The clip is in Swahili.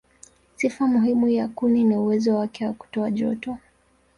Sifa muhimu ya kuni ni uwezo wake wa kutoa joto.